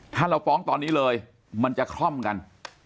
ถ้าเราฟ้องตอนนี้เลยมันจะคล่อมกัน